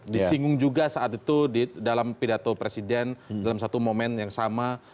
disinggung juga saat itu di dalam pidato presiden dalam satu momen yang sama